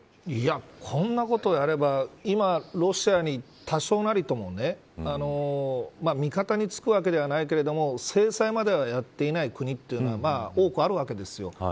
こんなことをやれば今、ロシアに多少なりともね味方につくわけではないけれども制裁まではやっていない国というのが多くあるわけです。